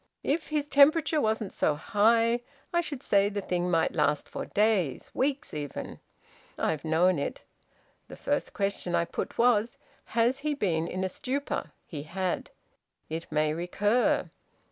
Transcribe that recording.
If his temperature wasn't so high, I should say the thing might last for days weeks even. I've known it. The first question I put was has he been in a stupor? He had. It may recur.